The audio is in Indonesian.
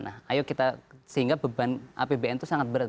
nah ayo kita sehingga beban apbn itu sangat berat